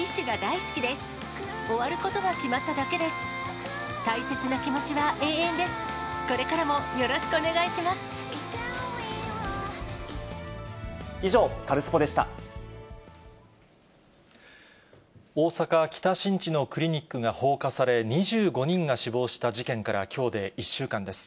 大阪・北新地のクリニックが放火され、２５人が死亡した事件から、きょうで１週間です。